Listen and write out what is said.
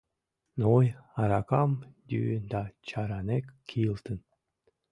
Ной аракам йӱын да чаранек кийылтын.